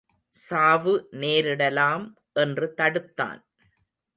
சாவு நேரிடலாம்! என்று தடுத்தான்.